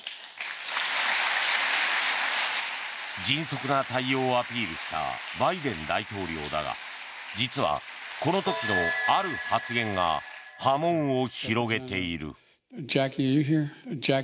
迅速な対応をアピールしたバイデン大統領だが実は、この時のある発言が波紋を広げている。